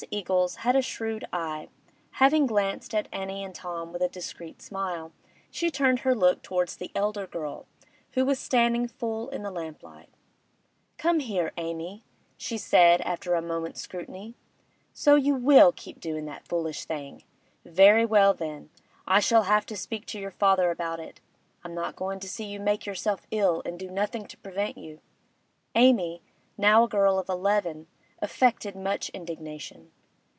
Eagles had a shrewd eye; having glanced at Annie and Tom with a discreet smile, she turned her look towards the elder girl, who was standing full in the lamplight. 'Come here, Amy,' she said after a moment's scrutiny. 'So you will keep doin' that foolish thing! Very well, then, I shall have to speak to your father about it; I'm not goin' to see you make yourself ill and do nothing to prevent you.' Amy, now a girl of eleven, affected much indignation.